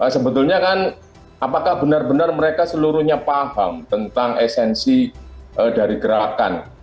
sebetulnya kan apakah benar benar mereka seluruhnya paham tentang esensi dari gerakan